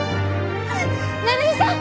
成美さん！